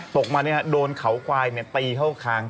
ตกมาเนี่ยโดนเขาควายเนี่ยตีเข้าคาง